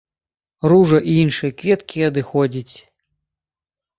Ружа і іншыя кветкі адыходзяць.